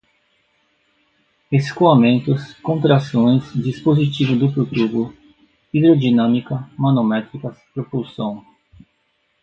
escoamentos, contrações, dispositivo duplo tubo, hidrodinâmica, manométricas, propulsão